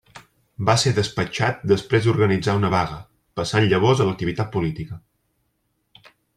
Va ser despatxat després d'organitzar una vaga, passant llavors a l'activitat política.